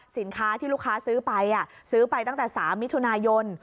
สินค้าที่ลูกค้าซื้อไปซื้อไปตั้งแต่๓มิถุนายน